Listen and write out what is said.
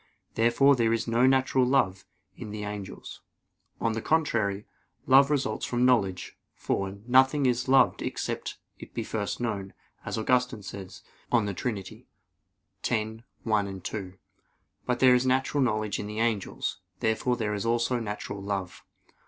Therefore there is no natural love in the angels. On the contrary, Love results from knowledge; for, nothing is loved except it be first known, as Augustine says (De Trin. x, 1,2). But there is natural knowledge in the angels. Therefore there is also natural love.